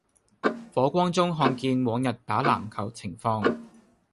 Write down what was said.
火光中看見往日打籃球情況